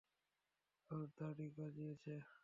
ওর দাড়ি গজিয়েছে।